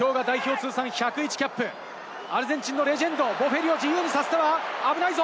通算１０１キャップ、アルゼンチンのレジェンド、ボフェリを自由にさせたら危ないぞ！